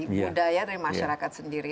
budaya dari masyarakat sendiri